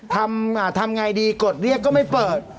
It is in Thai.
ทำอย่างไรดีกดเรียกก็ไม่เปิด